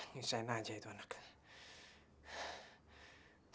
nyusahin aja itu anaknya